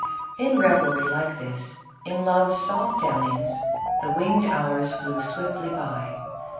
In revelry like this, in love's soft dalliance, tho winged hours flew swiftly by.